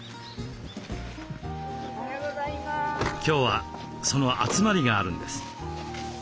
今日はその集まりがあるんです。